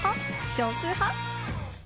少数派？